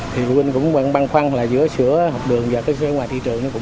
thì huynh cũng băng khoăn là giữa sữa học đường và sữa ngoài thị trường cũng có